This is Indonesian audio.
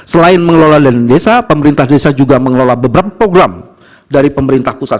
selain mengelola dana desa pemerintah desa juga mengelola beberapa program dari pemerintah pusat